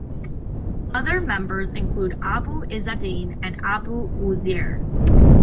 Other members include Abu Izzadeen and Abu Uzair.